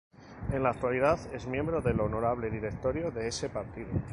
En la actualidad, es miembro del Honorable Directorio de ese Partido.